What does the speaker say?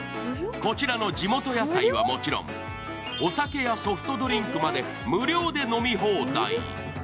こちらの地元野菜はもちろん、お酒やソフトドリンクまで無料で飲み放題。